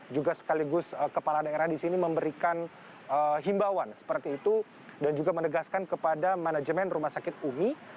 juga sekaligus kepala daerah di sini memberikan himbauan seperti itu dan juga menegaskan kepada manajemen rumah sakit umi